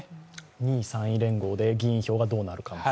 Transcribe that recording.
２位、３位連合で議員票がどうなるか。